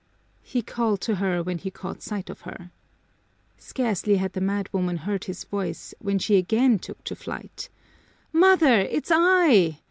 he called to her when he caught sight of her. Scarcely had the madwoman heard his voice when she again took to flight. "Mother, it's I!"